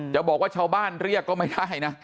จะบอกว่าชาวบ้านเรียกก็ไม่ได้นะ